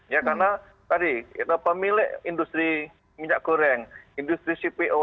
ya karena tadi pemilik industri minyak goreng industri cpo